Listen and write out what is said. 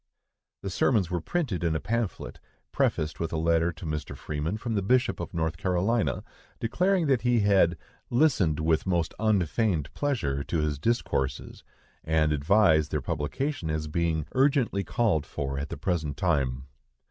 The sermons were printed in a pamphlet, prefaced with a letter to Mr. Freeman from the Bishop of North Carolina, declaring that he had "listened with most unfeigned pleasure" to his discourses, and advised their publication, as being "urgently called for at the present time."